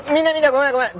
ごめんごめん！